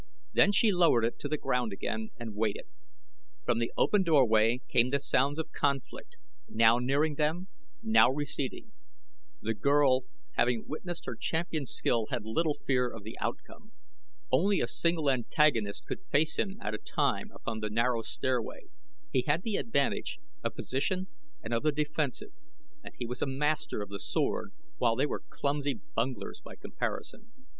Then she lowered it to the ground again and waited. From the open doorway came the sounds of conflict, now nearing them, now receding. The girl, having witnessed her champion's skill, had little fear of the outcome. Only a single antagonist could face him at a time upon the narrow stairway, he had the advantage of position and of the defensive, and he was a master of the sword while they were clumsy bunglers by comparison.